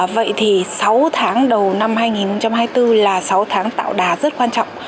vậy thì sáu tháng đầu năm hai nghìn hai mươi bốn là sáu tháng tạo đà rất quan trọng